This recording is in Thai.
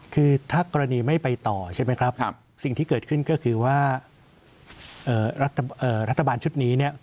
คือถ้ากรณีไม่ไปต่อใช่ไหมครับสิ่งที่เกิดขึ้นก็คือว่ารัฐบาลชุดนี้เนี่ย